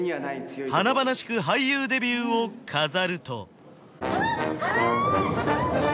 華々しく俳優デビューを飾るとあっあ！